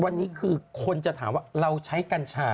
วันนี้คือคนจะถามว่าเราใช้กัญชา